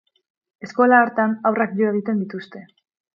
Eskola hartan haurrak jo egiten dituzte.